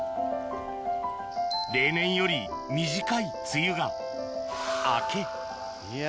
例年より短い梅雨が明けいや